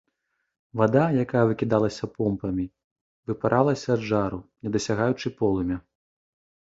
Вада, якая выкідалася помпамі, выпаралася ад жару, не дасягаючы полымя.